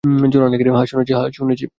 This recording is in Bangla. হ্যাঁ - শুনেছি।